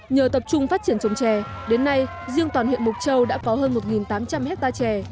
nhờ tập trung phát triển trồng chè đến nay riêng toàn huyện mộc châu đã có hơn một tám trăm linh hectare chè